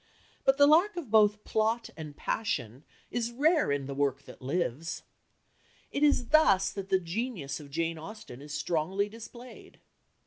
But the lack of both plot and passion is rare in the work that lives. It is thus that the genius of Jane Austen is strongly displayed.